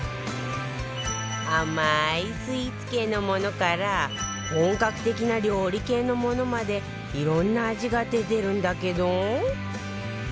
甘いスイーツ系のものから本格的な料理系のものまでいろんな味が出てるんだけど